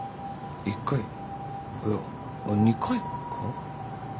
１回いやあっ２回か？